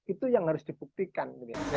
itu yang harus dibuktikan